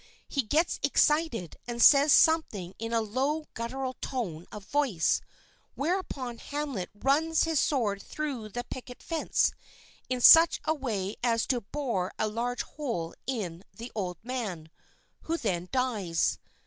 He gets excited and says something in a low, gutteral tone of voice, whereupon Hamlet runs his sword through the picket fence in such a way as to bore a large hole into the old man, who then dies.